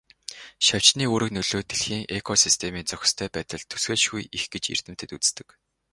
Шавжны үүрэг нөлөө дэлхийн экосистемийн зохистой байдалд төсөөлшгүй их гэж эрдэмтэд үздэг.